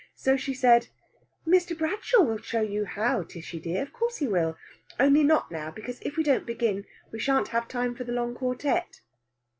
So she said: "Mr. Bradshaw will show you how, Tishy dear; of course he will. Only, not now, because if we don't begin, we shan't have time for the long quartet."